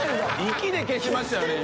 息で消しましたよね？